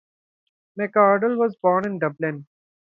McArdle was born in Dublin.